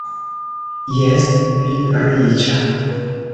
Jes, pli riĉa.